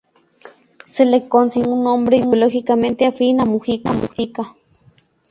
Se lo considera un hombre ideológicamente afín a Mujica.